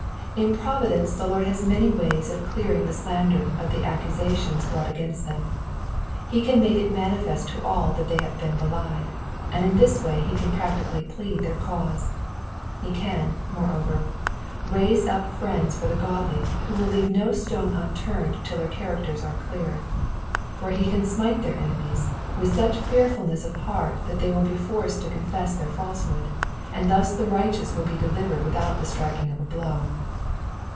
In providence the Lord has many ways of clearing the slandered of the accusations brought against them. lie can make it manifest to all that they have been belied, and in this way he can practically plead their cause. He can, moreover, raise up friends for the godly who will leave no stone unturned till their characters are cleared ; or he can smite their enemies with such fearfulnesa of heart that they will be forced to confess their falsehood, and thus the righteous will be delivered without the striking of a blow.